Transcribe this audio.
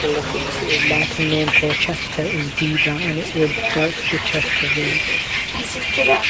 The Latin name for Chester is "Deva" and it was thus 'The Chester Road'.